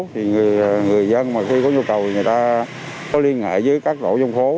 thì người dân mà khi có nhu cầu người ta có liên hệ với các tổ dân phố